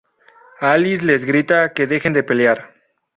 Alice les grita que dejen de pelear.